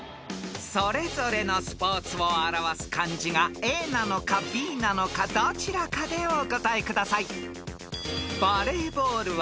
［それぞれのスポーツを表す漢字がＡなのかＢなのかどちらかでお答えください］